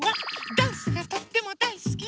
「ダンスがとってもだいすきよ」